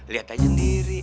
lihat aja sendiri